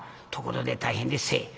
「ところで大変でっせ。